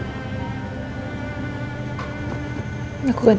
bagaimana kalau sekarang